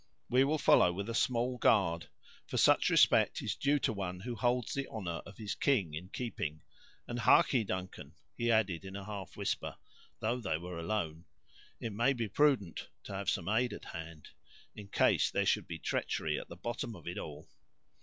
We will follow with a small guard, for such respect is due to one who holds the honor of his king in keeping; and hark'ee, Duncan," he added, in a half whisper, though they were alone, "it may be prudent to have some aid at hand, in case there should be treachery at the bottom of it all."